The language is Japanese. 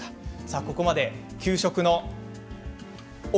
ここまで給食のお！